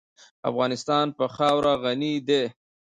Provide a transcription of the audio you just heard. افغانستان په خاوره غني دی.